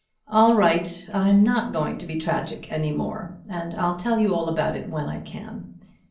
"All right I'm not going to be tragic any more, and I'll tell you all about it when I can.